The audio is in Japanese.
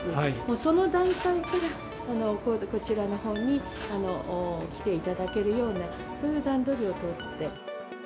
その段階から、こちらのほうに来ていただけるような、そういう段取りを取って。